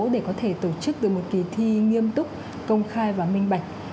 để có thể tổ chức được một kỳ thi nghiêm túc công khai và minh bạch